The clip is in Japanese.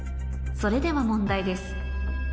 それでは問題です